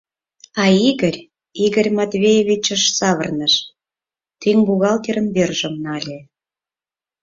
А Игорь Игорь Матвеевичыш савырныш, тӱҥ бухгалтерын вержым нале...